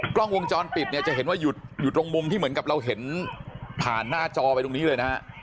กล้องวงจรปิดเนี่ยจะเห็นว่าอยู่ตรงมุมที่เหมือนกับเราเห็นผ่านหน้าจอไปตรงนี้เลยนะฮะ